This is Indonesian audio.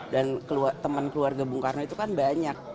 teman keluarga bung karno itu kan banyak